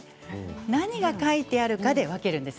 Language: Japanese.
何が書いてあるかで分けるんです。